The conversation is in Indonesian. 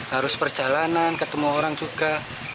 harus perjalanan ketemu orang juga